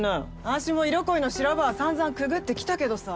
私も色恋の修羅場はさんざんくぐってきたけどさ。